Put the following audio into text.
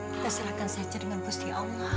kita serahkan saja dengan gusti allah